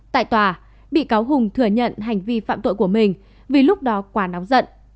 tại tòa bị cáo hùng thừa nhận hành vi phạm tội của mình vì lúc đó quá nóng giận